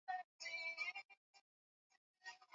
alimtuma alitazamiwa kama mzushi na Wahabiya aliona aibu kubwa